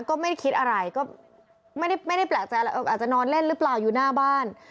ก็ไม่ได้คิดอะไรก็ไม่ได้แปลกใจอะไรอาจจะนอนเล่นหรือเปล่าอยู่หน้าบ้าน